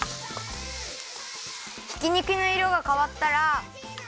ひき肉のいろがかわったら。